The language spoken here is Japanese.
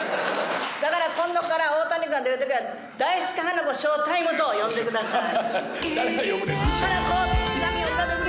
だから今度から大谷君が出るときは大助・花子ショータイムと呼んでください。